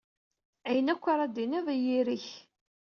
Ayen akk ara d-tiniḍ, i yiri-k.